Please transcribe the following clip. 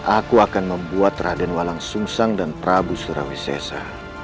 aku akan membuat raden walang sungsang dan prabu surawisesa